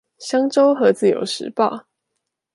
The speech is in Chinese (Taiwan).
商周和自由時報